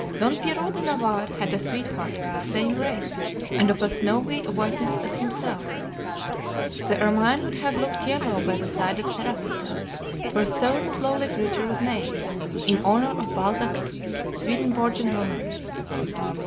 "Don Pierrot de Navarre had a sweetheart of the same race and of as snowy a whiteness as himself. The ermine would have looked yellow by the side of Seraphita, for so this lovely creature was named, in honor of Balzac's Swedenborgian romance.